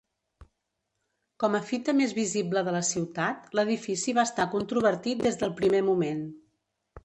Com a fita més visible de la ciutat, l'edifici va estar controvertit des del primer moment.